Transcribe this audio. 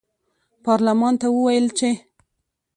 پارلمان ته وویل چې